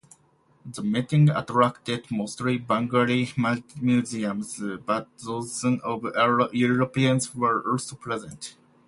The meeting attracted mostly Bengali Muslims but dozens of Europeans were also present.